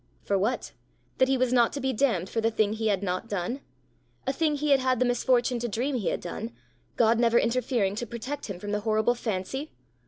For what! That he was not to be damned for the thing he had not done a thing he had had the misfortune to dream he had done God never interfering to protect him from the horrible fancy?